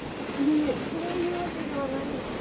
いえそういうわけではないんですよ。